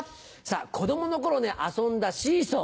子供の頃ね遊んだシーソー。